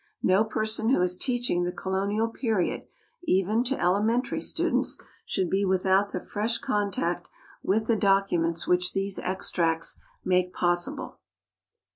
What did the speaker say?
No person who is teaching the colonial period even to elementary students should be without the fresh contact with the documents which these extracts make possible.